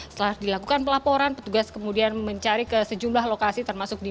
setelah dilakukan pelaporan petugas kemudian mencari ke sejumlah lokasi termasuk di